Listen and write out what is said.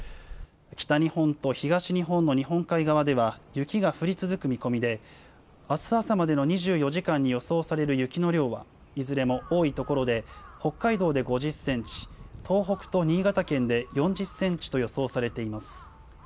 北日本と東日本の日本海側では、雪が降り続く見込みで、あす朝までの２４時間に予想される雪の量は、いずれも多い所で北海道で５０センチ、東北と新潟県で４０センチと予想されています。